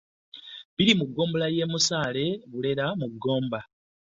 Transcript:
Biri mu ggombolola ya Musaale Bulera mu Ssingo